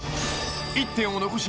１点を残し